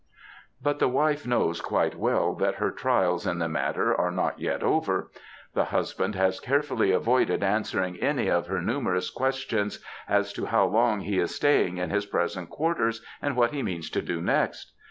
But the wife knows quite well that her trials in the matter are not yet over. The husband has carefully avoided answering any of her numerous questions as to how long he is stajdng in his present quarters, and what he means to do next.